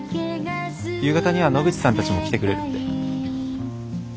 夕方には野口さんたちも来てくれるって。